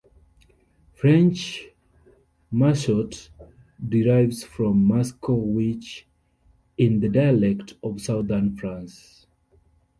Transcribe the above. French mascotte derives from masco 'witch' in the dialect of southern France.